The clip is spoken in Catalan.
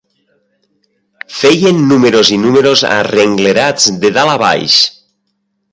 Feien números i números arrenglerats de dalt a baix